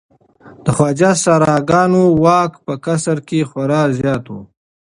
د خواجه سراګانو واک په قصر کې خورا زیات و.